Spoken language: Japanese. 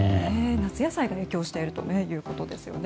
夏野菜が影響しているということですよね。